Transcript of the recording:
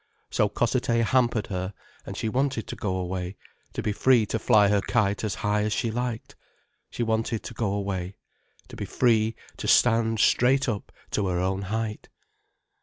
So Cossethay hampered her, and she wanted to go away, to be free to fly her kite as high as she liked. She wanted to go away, to be free to stand straight up to her own height.